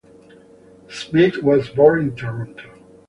Smith was born in Toronto.